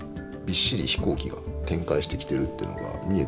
びっしり飛行機が展開してきてるってのが見えてますよね。